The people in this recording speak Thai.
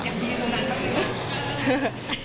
อยากดีอยากรู้นานกับเพื่อน